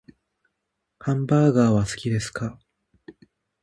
ハンバーガーは好きですか？